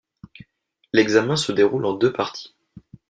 L'examen se déroule en deux parties.